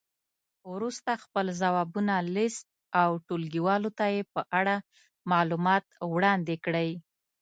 وروسته خپل ځوابونه لیست او ټولګیوالو ته یې په اړه معلومات وړاندې کړئ.